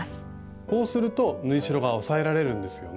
こうすると縫い代が押さえられるんですよね。